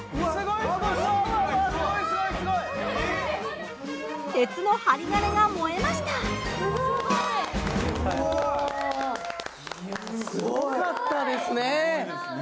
いやすごかったですね。